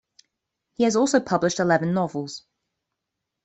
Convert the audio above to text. He has also published eleven novels.